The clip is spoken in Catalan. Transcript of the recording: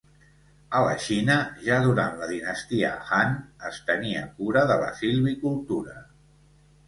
A la Xina ja durant la dinastia Han es tenia cura de la silvicultura.